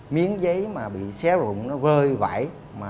miếng giấy mà bị xé rồi nó rơi vãi